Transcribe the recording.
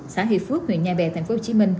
xã huy phước huyện nha bè tp hcm